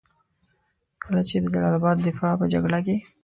کله چې د جلال اباد د دفاع په جګړه کې.